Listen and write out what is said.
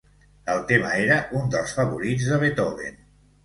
El tema era un dels favorits de Beethoven.